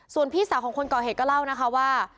ส่วนพี่สาวของคนก่อเหตุก็เล่านะคะว่า